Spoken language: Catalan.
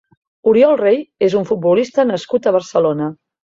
Oriol Rey és un futbolista nascut a Barcelona.